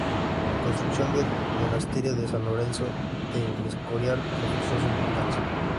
La construcción del Monasterio de San Lorenzo de El Escorial reforzó su importancia.